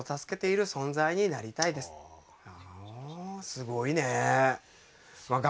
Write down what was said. すごいね！